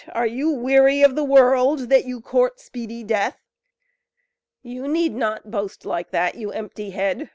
are you weary of the world, that you court speedy death?" "You need not boast like that, you empty head!"